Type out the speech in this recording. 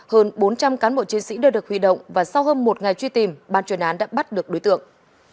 hơn bốn trăm linh cán bộ chiến sĩ đều được huy động và sau hơn một ngày truy tìm ban chuyên án đã bắt được đối tượng